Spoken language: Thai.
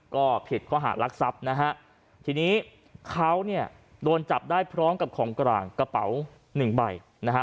ก็ผิดข้อหารักทรัพย์นะฮะทีนี้เขาเนี่ยโดนจับได้พร้อมกับของกลางกระเป๋าหนึ่งใบนะฮะ